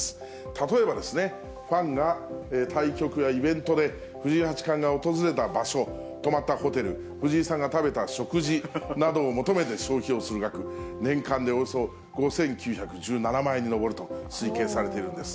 例えば、ファンが対局やイベントで藤井八冠が訪れた場所、泊まったホテル、藤井さんが食べた食事などを求めて消費をする額、年間でおよそ５９１７万円に上ると推計されているんです。